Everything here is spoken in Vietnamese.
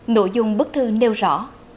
nội dung bức thư nêu rõ